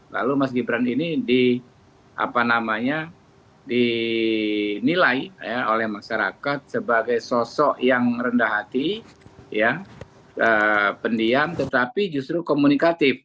lalu mas gibran ini dinilai oleh masyarakat sebagai sosok yang rendah hati pendiam tetapi justru komunikatif